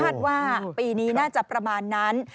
ว่าปีนี้น่าจะประมาณนั้น